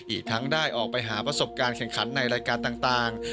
อีกทั้งได้ออกไปหาประสบการณ์แข่งขันในรายการต่าง